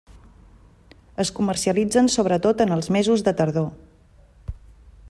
Es comercialitzen sobretot en els mesos de tardor.